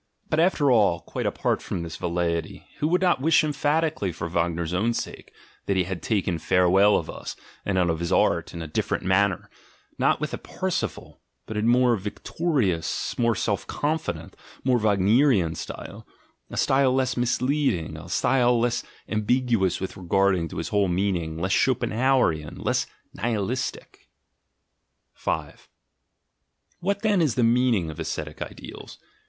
But after all, quite apart from this velleity, who would not wish emphatically for Wagner's own sake that he had taken farewell of us and of his art in a different manner, not with a Parsifal, but in more victorious, more self confident, more Wag nerian style — a style less misleading, a style less ambig uous with regard to his whole meaning, less Schopen hauerian, less Nihilistic? ... 5 WTiat, then, is the meaning of ascetic ideals?